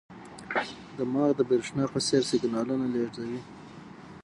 دماغ د برېښنا په څېر سیګنالونه لېږدوي.